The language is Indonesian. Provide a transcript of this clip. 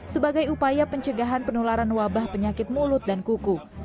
sebagai upaya pencegahan penularan wabah penyakit mulut dan kuku